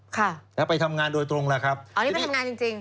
ค่ะแล้วไปทำงานโดยตรงล่ะครับอ๋อนี่ไปทำงานจริงจริง